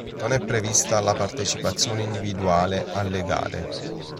Non è prevista la partecipazione individuale alle gare.